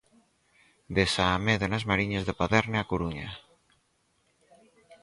De Saamede nas Mariñas de Paderne á Coruña.